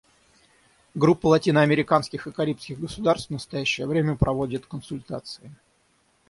Группа латиноамериканских и карибских государств в настоящее время проводит консультации.